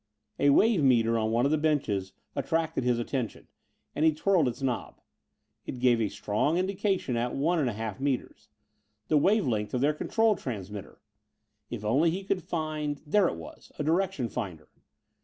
A wave meter on one of the benches attracted his attention and he twirled its knob. It gave strong indication at one and a half meters. The wave length of their control transmitter! If only he could find but there it was: a direction finder.